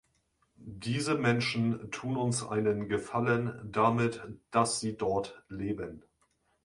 Diese Menschen tun uns einen Gefallen damit, dass sie dort leben.